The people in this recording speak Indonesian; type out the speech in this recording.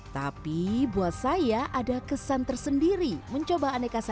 tapi buat saya ada kesan tersendiri mencoba aneka sayuran